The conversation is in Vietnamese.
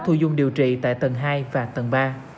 thu dung điều trị tại tầng hai và tầng ba